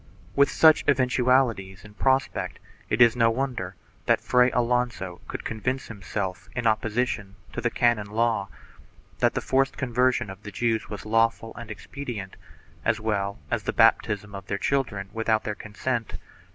With such eventualities in prospect it is no wonder that Fray Alonso could convince himself, in opposition to the canon law, that the forced conversion of the Jews was lawful and expedient, as well as the baptism of their children without their consent.